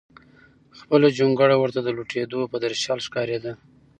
خپله جونګړه ورته د لوټېدو په درشل ښکارېده.